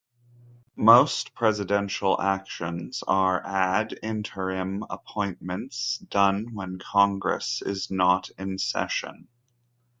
Most presidential actions are "ad interim" appointments, done when Congress is not in session.